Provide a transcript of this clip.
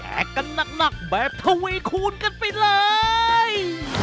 แอกกันนักแบบทะเวคูณกันไปเลย